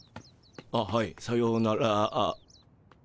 あっはいさようなら。